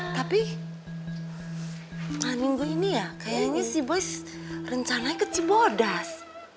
tapi minggu ini ya kayaknya si bos rencananya ke cibodas